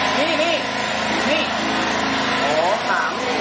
อันดับที่สุดท้ายก็จะเป็น